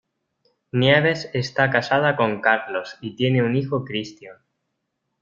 Nieves está casada con Carlos, y tiene un hijo Christian.